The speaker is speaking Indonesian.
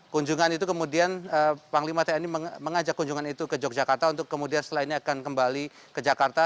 pengajak tni mengajak kunjungan itu ke yogyakarta untuk kemudian selainnya akan kembali ke jakarta